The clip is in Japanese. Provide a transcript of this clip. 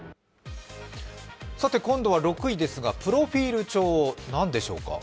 今度は６位ですがプロフィール帳、なんでしょうか。